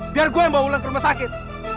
biar gua yang bawa wulan ke rumah sakit